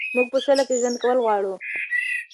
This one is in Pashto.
موږ په سوله کې ژوند کول غواړو.